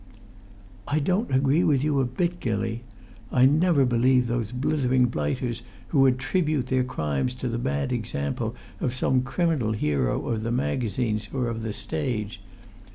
"I don't agree with you a bit, Gilly. I never believe those blithering blighters who attribute their crimes to the bad example of some criminal hero of the magazines or of the stage.